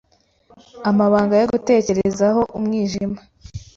Amabanga yo gutekerezaho Umwijima